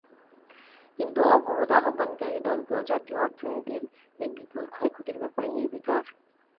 কিন্তু অবরোধ আহ্বানকারী দলগুলো জাতীয় অর্থনীতির এই বিপুল ক্ষয়ক্ষতির ব্যাপারে নির্বিকার।